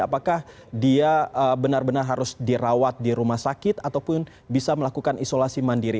apakah dia benar benar harus dirawat di rumah sakit ataupun bisa melakukan isolasi mandiri